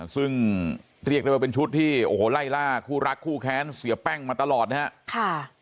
ซึ่งเรียกได้ว่าเป็นชุดที่โอ้โหไล่ล่าคู่รักคู่แค้นเสียแป้งมาตลอดนะครับ